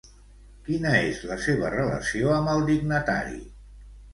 Quina és la seva relació amb el dignatari?